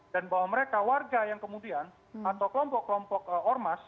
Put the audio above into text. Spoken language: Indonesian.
dan bahwa mereka warga yang kemudian atau kelompok kelompok ormas